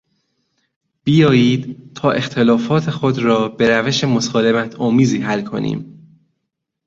بیایید تا اختلافات خود را به روش مسالمتآمیزی حل کنیم.